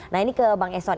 nah ini ke bang eson